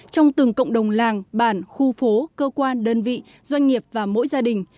trong từng cộng đồng làng bản khu phố cơ quan đơn vị doanh nghiệp và mỗi gia đình